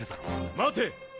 待て！